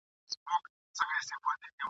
خولې د عالمونو څوک ګنډلای نه سي وايی دي ..